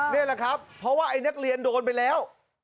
เพราะว่านักเรียนโดนไปแล้ว